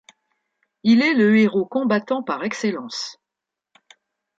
Il est le héros combattant par excellence.